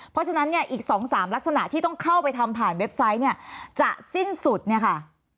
เพราะฉะนั้นเนี่ยอีก๒๓ลักษณะที่ต้องเข้าไปทำผ่านเว็บไซต์เนี่ยจะสิ้นสุดเนี่ยค่ะ